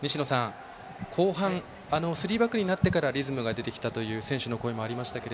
後半、スリーバックになってからリズムが出てきたという選手の声もありました。